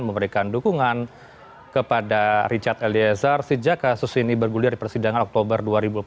memberikan dukungan kepada richard eliezer sejak kasus ini bergulir di persidangan oktober dua ribu dua puluh